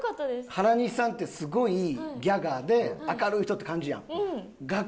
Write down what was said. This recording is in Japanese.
原西さんってすごいギャガーで明るい人って感じやん。